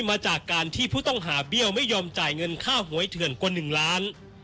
มาจากการที่ผู้ต้องหาเบี้ยวไม่ยอมจ่ายเงินค่าหวยเถื่อนกว่า๑ล้าน